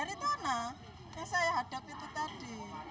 dari tanah yang saya hadapi itu tadi